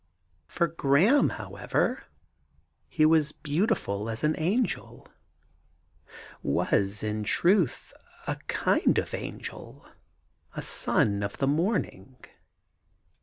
For Graham, however, he was beautiful as an angel — was, in truth, a kind of angel, a ^ son of the morning.'